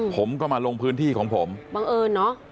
ผมก็มาลงพื้นที่ของผมบังเอิญเนอะ